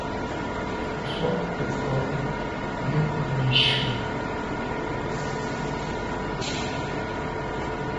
Mfùag nke nko yub neshu.